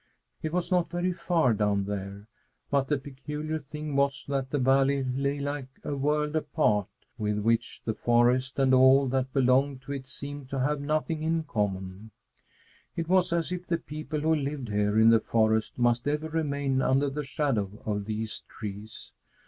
It was not very far down there, but the peculiar thing was that the valley lay like a world apart, with which the forest and all that belonged to it seemed to have nothing in common. It was as if the people who lived here in the forest must ever remain under the shadow of these trees.